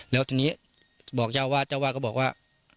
แล้วทีนี้บอกเจ้าวาดเจ้าวาดก็บอกว่า